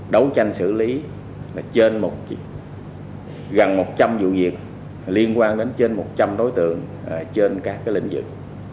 đấu tranh xử lý trên gần một trăm linh vụ việc liên quan đến trên một trăm linh đối tượng trên các lĩnh vực